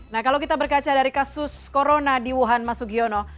nah kalau kita berkaca dari kasus corona di wuhan mas sugiono